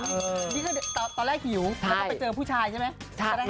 นี่ก็ตอนแรกหิวแล้วก็ไปเจอผู้ชายใช่ไหม